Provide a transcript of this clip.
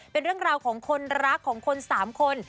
เป็นเรื่องราวของคนรักของคน๓คน